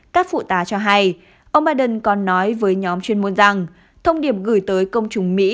các phụ tá cho hay ông biden còn nói với nhóm chuyên môn rằng thông điệp gửi tới công chúng mỹ